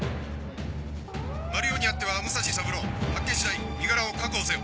マル容にあっては武蔵三郎発見次第身柄を確保せよ。